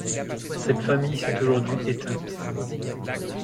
Cette famille s'est aujourd'hui éteinte.